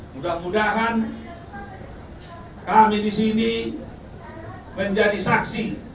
mudah mudahan kami di sini menjadi saksi